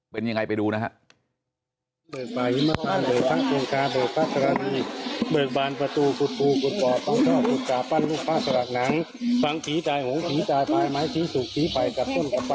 เป็นยังไงไปดูนะครับ